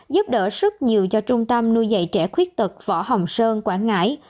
giúp đỡ rất nhiều cho trung tâm nuôi dạy trẻ khuyết tật võ hồng sơn quảng ngãi